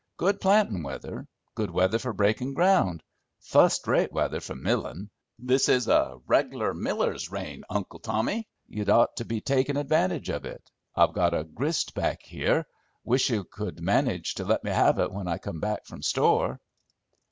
Good plantin' weather; good weather for breakin' ground; fust rate weather for millin'! This is a reg'lar miller's rain, Uncle Tommy. You'd ought to be takin' advantage of it. I've got a grist back here; wish ye could manage to let me have it when I come back from store."